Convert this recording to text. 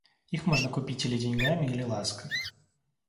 Их можно купить или деньгами или лаской.